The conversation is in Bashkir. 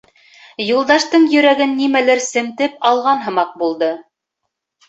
Юлдаштың йөрәген нимәлер семтеп алған һымаҡ булды.